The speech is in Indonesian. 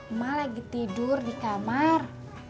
emak lagi tidur di kamar